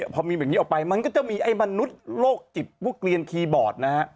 พอมีแบบนี้ออกไปมันก็จะมีไอ้มนุษย์โรคจิตพวกเกลียนคีย์บอร์ดนะฮะ